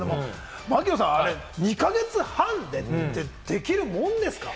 槙野さん、２か月半でできるもんですかね？